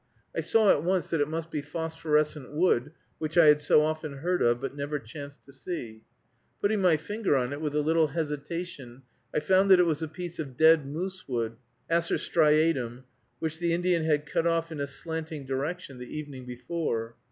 I saw at once that it must be phosphorescent wood, which I had so often heard of, but never chanced to see. Putting my finger on it, with a little hesitation, I found that it was a piece of dead moose wood (Acer striatum) which the Indian had cut off in a slanting direction the evening before.